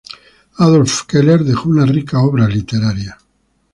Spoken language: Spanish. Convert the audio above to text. Adolf Keller dejó una rica obra literaria.